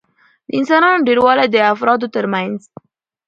د انسانانو ډېروالي د افرادو ترمنځ